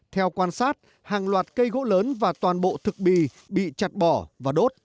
theo quan sát hàng loạt cây gỗ lớn và toàn bộ thường